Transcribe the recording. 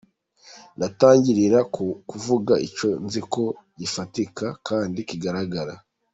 Ndatangirira ku kuvuga icyo nzi ko gifatika kandi kigaragara.